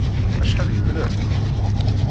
Acḥal yemleḥ!